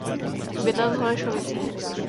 Bydlel v Holešovicích.